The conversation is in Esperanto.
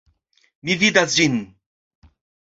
Mi vidas ĝin!